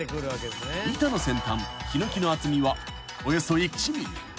［板の先端ヒノキの厚みはおよそ１ｍｍ］